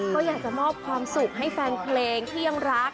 ก็อยากจะมอบความสุขให้แฟนเพลงที่ยังรัก